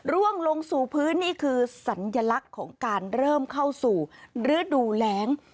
ร่วงลงสู่พื้นนี่คือสัญลักษณ์ของการเริ่มเข้าสู่ฤดูแรง